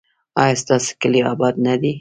ایا ستاسو کلی اباد نه دی؟